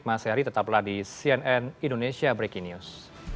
mas heri tetaplah di cnn indonesia breaking news